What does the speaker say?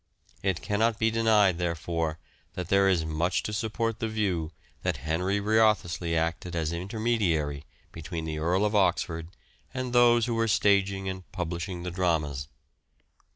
It cannot be denied, therefore, that there is much to support the view that Henry Wriothesley acted as intermediary between the Earl of Oxford and those who were staging and publishing the dramas.